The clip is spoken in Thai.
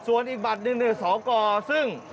ส่วนอีกบัตรเป็นศอร์กรซึ่ง